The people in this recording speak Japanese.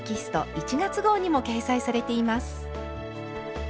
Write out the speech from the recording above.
１月号にも掲載されています。